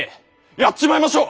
やっちまいましょう！